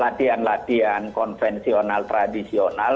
latihan latian konvensional tradisional